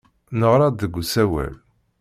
Neɣra-d deg usawal.